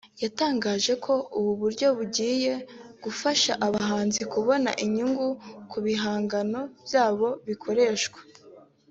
yatangaje ko ubu buryo bugiye gufasha abahanzi kubona inyungu ku bihangano byabo bikoreshwa